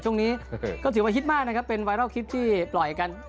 ช่วงนี้ก็ถือว่าฮิตมากนะครับเป็นไวรัลคลิปที่ปล่อยกัน